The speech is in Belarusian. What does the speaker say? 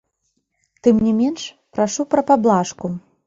Тым не менш, прашу пра паблажку.